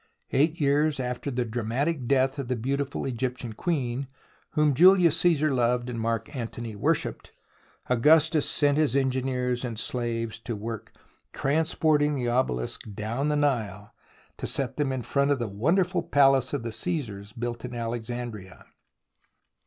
Eight years after the dramatic death of the beautiful Egyptian queen, whom Julius Caesar loved and Mark Antony worshipped, Augustus set his engineers and slaves to work transporting the obelisks down the Nile, to set them in front of the wonderful palace of the Caesars built in Alex andria.